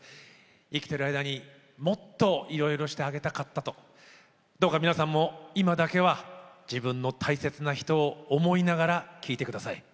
生きている間にもっといろいろしてあげたかったとどうか皆さんも今だけは自分の大切な人を思いながら聴いてください。